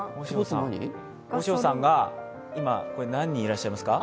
和尚さんが何人いらっしゃいますか？